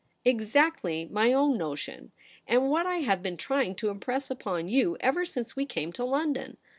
' Exactly my own notion, and what I have been trying to impress upon you ever since we came to London.